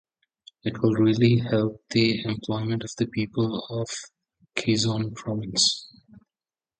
It will really help the employment of the people of Quezon Province.